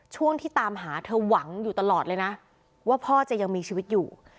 ช่วงที่ตามหาเธอหวังอยู่ตลอดเลยนะว่าพ่อจะยังมีชีวิตอยู่